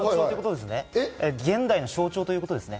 現代の象徴ということですね。